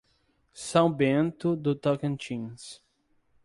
São Bento do Tocantins